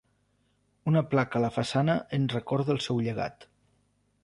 Una placa a la façana ens recorda el seu llegat.